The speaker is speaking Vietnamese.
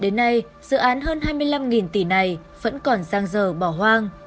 đến nay dự án hơn hai mươi năm tỷ này vẫn còn sang giờ bỏ hoang